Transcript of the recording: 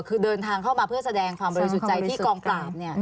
คือเดินทางเข้ามาเพื่อแสดงความบริสุทธิ์ใจที่กองปราบ